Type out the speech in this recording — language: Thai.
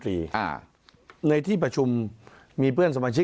ที่ไม่มีนิวบายในการแก้ไขมาตรา๑๑๒